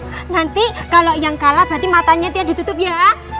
nah nanti kalau yang kalah berarti matanya dia ditutup ya